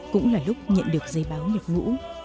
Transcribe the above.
cũng là lúc nhận được dây báo nhập ngũ